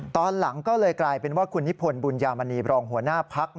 ตอนหลังก็เลยกลายเป็นว่าคุณนิพนธ์บุญญามณีบรองหัวหน้าพัก